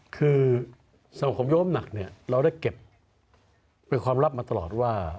คือสงบผมโยมหนักเนี่ยเราได้เก็บเป็นความลับมาตลอดว่า